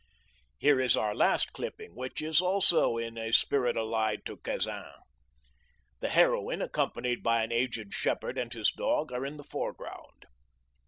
Here is our last clipping, which is also in a spirit allied to Cazin. The heroine, accompanied by an aged shepherd and his dog, are in the foreground.